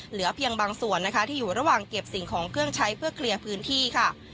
เหลือเพียงบางส่วนนะคะที่อยู่ระหว่างเก็บสิ่งของเครื่องใช้เพื่อเคลียร์พื้นที่ค่ะ